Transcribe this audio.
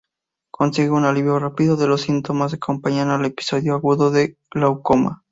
Consigue un alivio rápido de los síntomas que acompañan al episodio agudo de glaucoma.